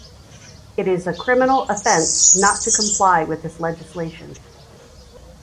It is a criminal offence not to comply with this legislation.